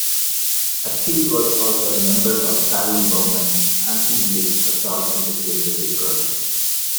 Atfield was also a member of Fallon Bowman's Amphibious Assault industrial music project.